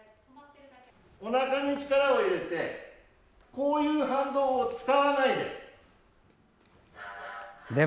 おなかに力を入れてこういう反動を使わないで。